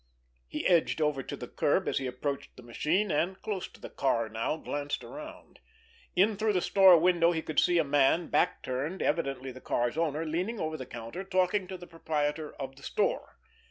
He edged over to the curb as he approached the machine, and, close to the car now, glanced around. In through the store window he could see a man, back turned, evidently the car's owner, leaning over the counter, talking to the proprietor of the store.